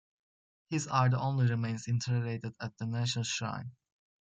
His are the only remains interred at the national shrine.